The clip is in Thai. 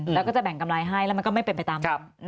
แล้วก็จะแบ่งกำไรให้แล้วมันก็ไม่เป็นไปตามนั้น